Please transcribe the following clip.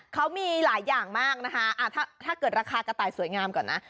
เขามีหลายอย่างมากนะคะถ้าเกิดราคากระต่ายสวยงามก่อนนะ